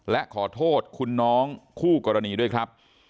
และขอโทษคุณน้องคู่กรณีด้วยครับ